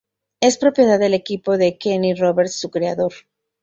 Es propiedad del equipo de Kenny Roberts, su creador.